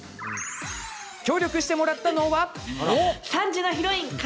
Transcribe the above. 協力してもらったのは。